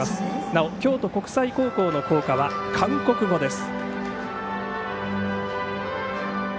なお、京都国際高校の校歌は韓国語です。